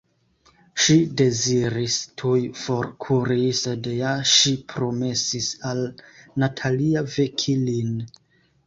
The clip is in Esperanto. Ŝi deziris tuj forkuri, sed ja ŝi promesis al Natalia veki lin.